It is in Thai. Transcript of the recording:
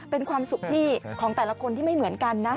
เป็นความสุขที่ของแต่ละคนที่ไม่เหมือนกันนะ